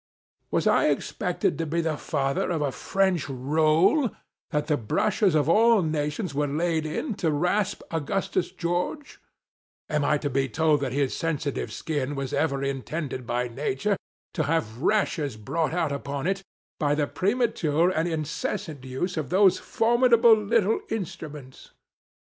Was I expected to be the father of a French Boll, that the brushes of All Nations were laid in, to rasp Augustus George 2 Am I to be told that his sensitive skin was ever in tended by Nature to have rashes brought out upon it, by the premature and incessant use of those formidable little instruments